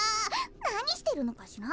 なにしてるのかしら？